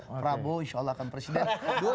prabowo insya allah akan presiden